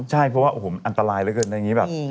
ใช่เพราะว่าโอ้โหมันอันตรายเหลือเกินอย่างนี้แบบ